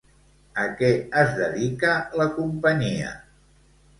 A què es dedica la companyia?